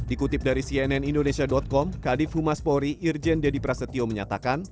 dikutip dari cnn indonesia com kadif humas polri irjen deddy prasetyo menyatakan